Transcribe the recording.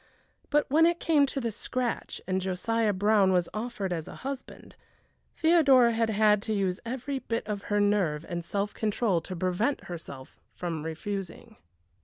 But when it came to the scratch, and Josiah Brown was offered as a husband, Theodora had had to use every bit of her nerve and self control to prevent herself from refusing.